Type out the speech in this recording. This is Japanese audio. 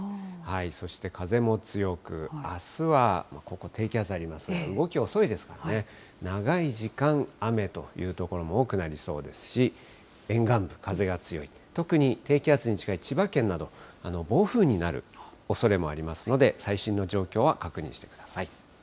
そして風も強く、あすはここ、低気圧ありますが、動き、遅いですからね、長い時間雨という所も多くなりそうですし、沿岸部、風が強い、特に低気圧に近い千葉県など、暴風になるおそれもありますので、最新の状況は確認してください。